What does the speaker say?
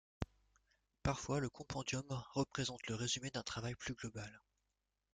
Parfois le compendium représente le résumé d'un travail plus global.